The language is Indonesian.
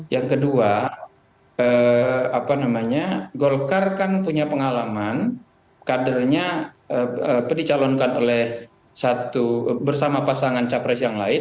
yang kedua golkar kan punya pengalaman kadernya dicalonkan bersama pasangan cawapres yang lain